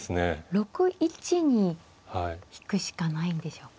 ６一に引くしかないんでしょうか。